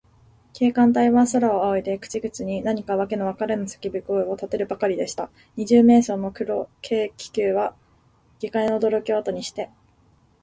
警官隊は、空をあおいで、口々に何かわけのわからぬさけび声をたてるばかりでした。二十面相の黒軽気球は、下界のおどろきをあとにして、